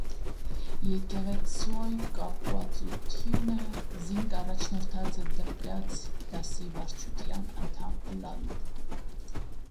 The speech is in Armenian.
Եկեղեցւոյ կապուածութիւնը զինք առաջնորդած է դպրաց դասի վարչութեան անդամ ըլլալու։